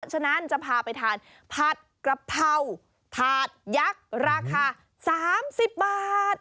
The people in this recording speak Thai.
ฉะนั้นจะพาไปทานผัดกระเพราถาดยักษ์ราคา๓๐บาท